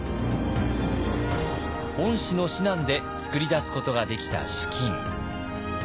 御師の指南で作り出すことができた資金。